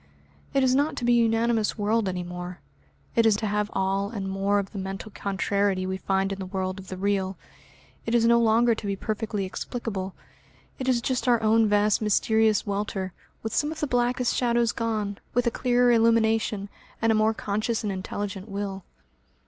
It is not to be a unanimous world any more, it is to have all and more of the mental contrariety we find in the world of the real; it is no longer to be perfectly explicable, it is just our own vast mysterious welter, with some of the blackest shadows gone, with a clearer illumination, and a more conscious and intelligent will.